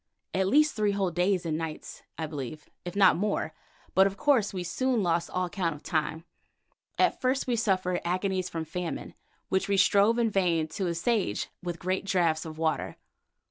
At least three whole days and nights, I believe, if not more, but of course we soon lost all count of time. At first we suffered agonies from famine, which we strove in vain to assuage with great draughts of water.